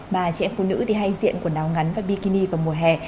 mà trẻ phụ nữ thì hay diện quần áo ngắn và bikini vào mùa hè